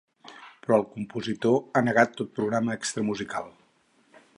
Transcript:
Però el compositor ha negat tot programa extramusical.